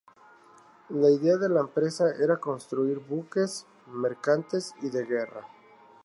La idea de la empresa era construir buques mercantes y de guerra.